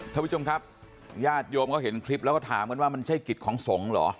ท่านผู้ชมครับญาติโยมเขาเห็นคลิปแล้วก็ถามกันว่ามันใช่กิจของสงฆ์เหรอ